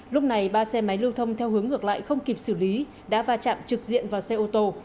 lúc này ba xe máy lưu thông theo hướng ngược lại không kịp xử lý đã va chạm trực diện vào xe ô tô